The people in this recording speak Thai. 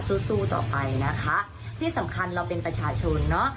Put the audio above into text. สู้สู้ต่อไปนะคะที่สำคัญเราเป็นประชาชนเนอะ